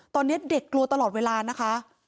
ตอนนี้เด็กกลัวตลอดเวลานะคะ